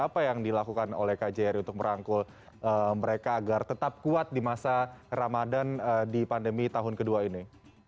apa yang dilakukan oleh kjri untuk merangkul mereka agar tetap kuat di masa ramadan di pandemi tahun kedua ini